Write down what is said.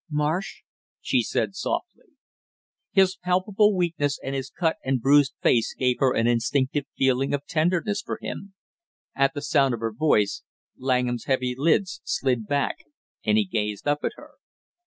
"Marsh?" she said softly. His palpable weakness and his cut and bruised face gave her an instinctive feeling of tenderness for him. At the sound of her voice Langham's heavy lids slid back and he gazed up at her.